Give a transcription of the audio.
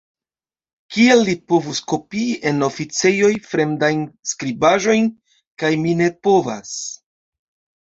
Kial li povus kopii en oficejoj fremdajn skribaĵojn, kaj mi ne povas?